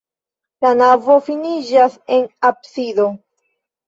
La navo finiĝas en absido.